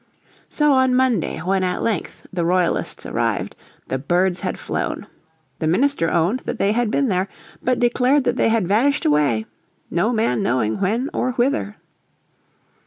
So on Monday when at length the Royalists arrived, the birds had flown. The minister owned that they had been there, but declared that they had vanished away, no man knowing when or whither.